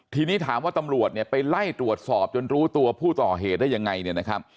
ทีนี้ถามว่าตำรวจเนี่ยไปไล่ตรวจสอบจนรู้ตัวผู้ก่อเหตุได้ยังไงเนี่ยนะครับ